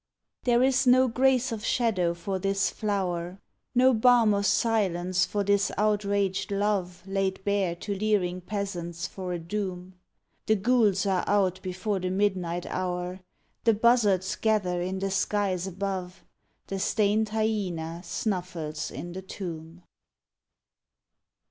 There is no grace of shadow for this flow r, No balm of silence for this outraged love, Laid bare to leering peasants for a doom. The ghouls are out before the midnight hour; The buzzards gather in the skies above; The stained hyena snuffles in the tomb.